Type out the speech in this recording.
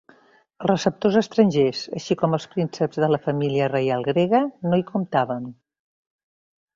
Els receptors estrangers, així com prínceps de la família reial grega no hi comptaven.